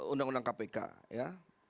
undang undang kpk ya